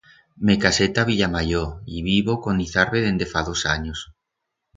Me casé ta Villamayor y i vivo con Izarbe dende fa dos anyos.